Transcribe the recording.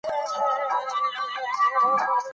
په افغانستان کې د بادي انرژي منابع شته.